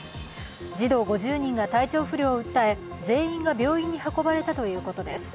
児童５０人が体調不良を訴え全員が病院に運ばれたということです。